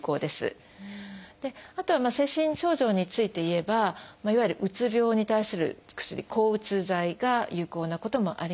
あとは精神症状について言えばいわゆるうつ病に対する薬抗うつ剤が有効なこともあります